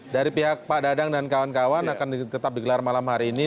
dari pihak pak dadang dan kawan kawan akan tetap digelar malam hari ini